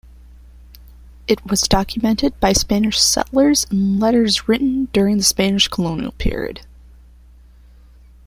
It was documented by Spanish settlers in letters written during the Spanish Colonial period.